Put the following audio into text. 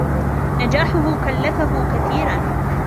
نجاحُهُ كلّفه كثيرًا.